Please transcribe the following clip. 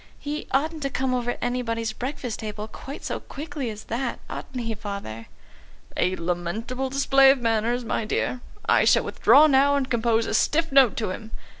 "He oughtn't to come over anybody's breakfast table quite so quickly as that. Ought he, Father?" "A lamentable display of manners, my dear. I shall withdraw now and compose a stiff note to him.